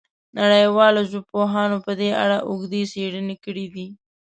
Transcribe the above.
نړیوالو ژبپوهانو په دې اړه اوږدې څېړنې کړې دي.